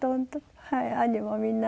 はい兄もみんな。